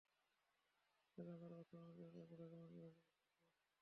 সেখানে তার অবস্থার অবনতি হলে তাকে ঢাকা মেডিকেল কলেজ হাসপাতালে পাঠানো হয়।